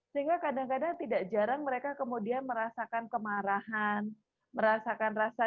sehingga kadang kadang tidak jarang mereka kemudian merasakan kemarahan merasakan rasa